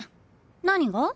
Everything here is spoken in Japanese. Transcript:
何が？